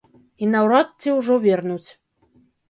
І наўрад ці ўжо вернуць.